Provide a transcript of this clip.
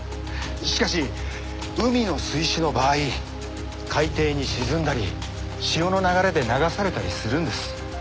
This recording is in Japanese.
しかし海の水死の場合海底に沈んだり潮の流れで流されたりするんです。